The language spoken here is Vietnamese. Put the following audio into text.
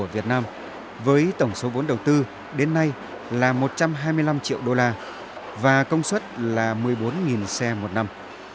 với tổng số vốn đầu tư đến nay là một trăm hai mươi năm triệu đô la và công suất là một mươi bốn xe một năm